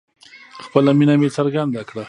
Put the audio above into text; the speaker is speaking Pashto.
خپله مینه مې څرګنده کړه